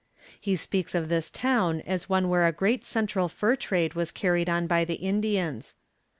He speaks of this town as one where a great central fur trade was carried on by the Indians.